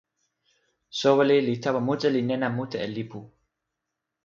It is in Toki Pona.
soweli li tawa mute, li nena mute e lipu.